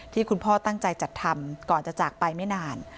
คุณพ่อตั้งใจจัดทำก่อนจะจากไปไม่นาน